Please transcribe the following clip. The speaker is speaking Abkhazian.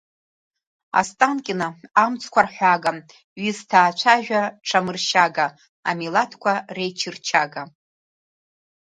Останкино амцқәа рҳәага, Ҩысҭаа-цәажәа ҽамыршьага, Амилаҭқәа реичырчага.